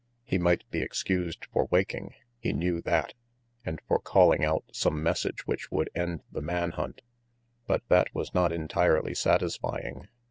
He might be excused for waking, he knew that, and for calling out some message which would end the man hunt. But that was not entirely satisfying.